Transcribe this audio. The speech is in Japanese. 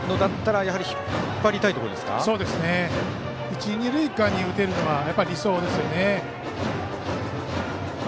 一、二塁間に打てるのが理想ですよね。